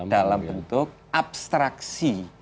dalam bentuk abstraksi